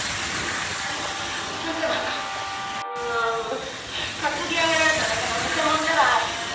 あんたなんか担ぎ上げられただけの偽物じゃない！